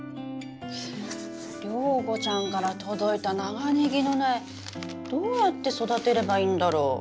良子ちゃんから届いた長ネギの苗どうやって育てればいいんだろう。